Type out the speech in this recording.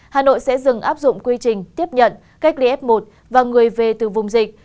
hà nội sẽ dừng áp dụng quy trình tiếp nhận cách ly f một và người về từ vùng dịch